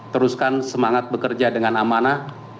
teruskan semangat bekerja dengan amanah